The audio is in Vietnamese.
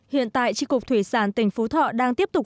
hiện tại tri cục thủy sản tỉnh phú thọ đang tiếp tục